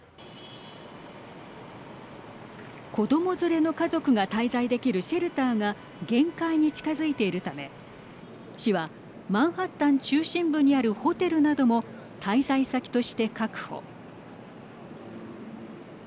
子ども連れの家族が滞在できるシェルターが限界に近づいているため市はマンハッタン中心部にあるホテルなども滞在先として確保。